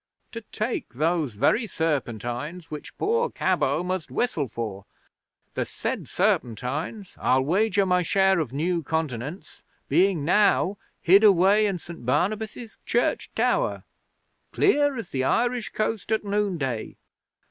To take those very serpentines which poor Cabot must whistle for; the said serpentines, I'll wager my share of new continents, being now hid away in St Barnabas' church tower. Clear as the Irish coast at noonday!"